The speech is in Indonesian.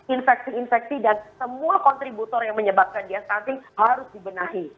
infeksi infeksi dan semua kontributor yang menyebabkan dia stunting harus dibenahi